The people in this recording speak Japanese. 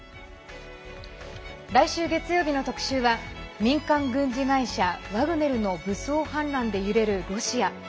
来週月曜日の特集は民間軍事会社ワグネルの武装反乱で揺れるロシア。